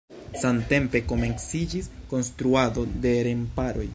Samtempe komenciĝis konstruado de remparoj.